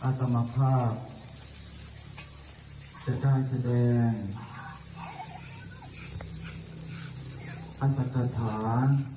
อัตมาภาพจะได้แสดงอันตรับจริงฐาน